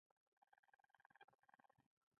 د دۀ کالم د پند او نصيحت نه ډک دے ۔